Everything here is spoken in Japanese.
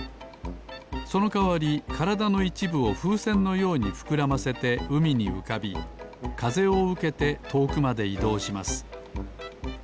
そのかわりからだのいちぶをふうせんのようにふくらませてうみにうかびかぜをうけてとおくまでいどうします。